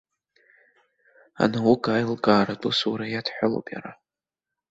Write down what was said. Анаука-аилкааратә усура иадҳәалоуп иара.